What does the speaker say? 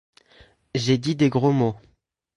J’ai dit des gros mots.